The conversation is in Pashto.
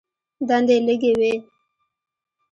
دندې لږې وې.